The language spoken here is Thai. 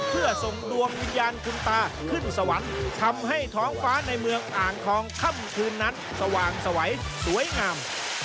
เพื่อส่งดวงวิญญาณคุณตาขึ้นสวรรค์ทำให้ท้องฟ้าในเมืองอ่างทองค่ำคืนนั้นสว่างสวัยสวยงาม